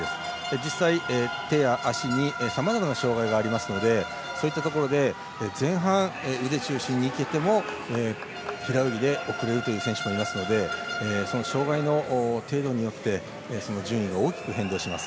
実際、手や足にさまざまな障がいがありますのでそういったところで前半、腕中心にいけても平泳ぎで遅れるという選手もいますのでその障がいの程度によって順位が大きく変動します。